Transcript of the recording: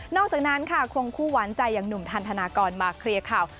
อกจากนั้นค่ะควงคู่หวานใจอย่างหนุ่มทันธนากรมาเคลียร์ข่าว